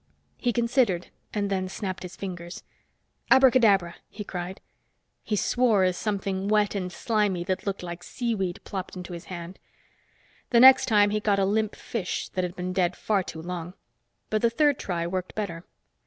He considered, and then snapped his fingers. "Abracadabra," he cried. He swore as something wet and slimy that looked like seaweed plopped into his hand. The next time he got a limp fish that had been dead far too long. But the third try worked better.